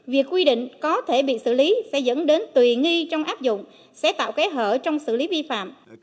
việc quy định có thể bị xử lý sẽ dẫn đến tùy nghi trong áp dụng sẽ tạo kẽ hở trong xử lý vi phạm